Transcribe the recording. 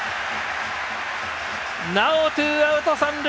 なお、ツーアウト、三塁。